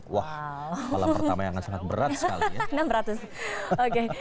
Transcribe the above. wah malam pertama yang sangat berat sekali